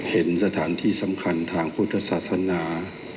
เห็นสถานที่สำคัญทางพุทธศาสนา